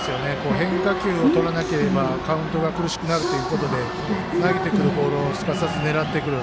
変化球をとらなければカウント苦しくなるということで投げてくるボールをすかさず狙ってくる。